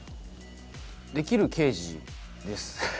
できる刑事です。